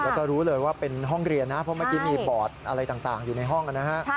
แล้วก็รู้เลยว่าเป็นห้องเรียนนะเพราะเมื่อกี้มีบอร์ดอะไรต่างอยู่ในห้องนะฮะ